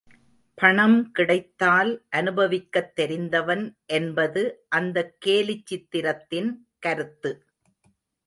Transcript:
பணம் கிடைத்தால் அனுபவிக்கத் தெரிந்தவன் என்பது அந்தக் கேலிச் சித்திரத்தின் கருத்து.